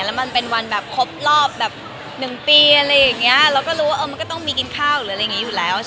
แล้วมันเป็นวันครบรอบแบบ๑ปีเราก็รู้ว่ามันก็ต้องมีกินข้าวอยู่แล้ว